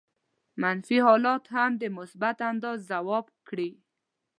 منفي حالات هم په مثبت انداز ځواب کړي.